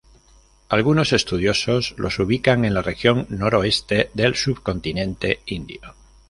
Algunos estudiosos los ubican en la región noroeste del subcontinente indio.